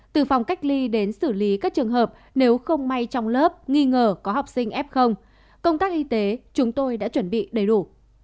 từ phòng cách ly đến xử lý các trường hợp nếu không may trong lớp nghi ngờ có học sinh f công tác y tế chúng tôi đã chuẩn bị đầy đủ